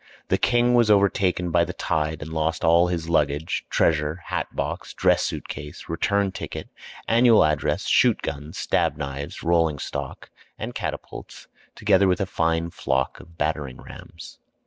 The king was overtaken by the tide and lost all his luggage, treasure, hat box, dress suit case, return ticket, annual address, shoot guns, stab knives, rolling stock, and catapults, together with a fine flock of battering rams.